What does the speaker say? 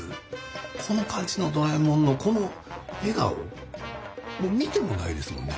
この感じのドラえもんのこの笑顔見てもないですもんね。